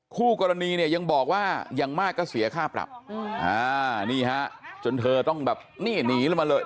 คู่กรณีเนี่ยยังบอกว่าอย่างมากก็เสียค่าปรับนี่ฮะจนเธอต้องแบบนี่หนีลงมาเลย